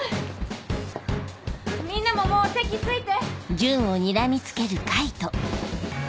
みんなももう席ついて！